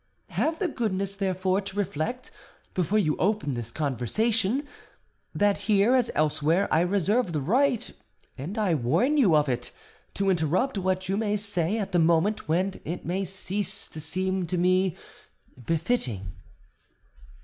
Have the goodness, therefore, to reflect, before you open this conversation, that here as elsewhere I reserve the right—and I warn you of it—to interrupt what you may say at the moment when it may cease to seem to me befitting."